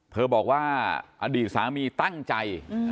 เธอบอกอดีตสามีตั้งใจ